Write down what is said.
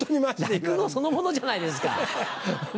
落語そのものじゃないですか！